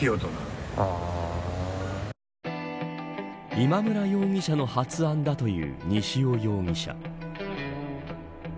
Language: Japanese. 今村容疑者の発案だという西尾容疑者。